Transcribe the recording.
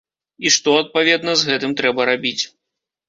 І што, адпаведна, з гэтым трэба рабіць.